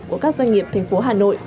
của các doanh nghiệp thành phố hà nội